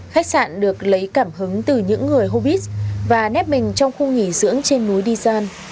khách sạn được lấy cảm hứng từ những người hobbit và nét mình trong khu nghỉ dưỡng trên núi dijan